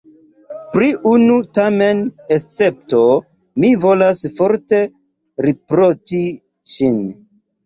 Pri unu tamen escepto mi volas forte riproĉi ŝin.